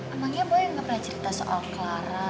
emangnya boleh gak pernah cerita soal clara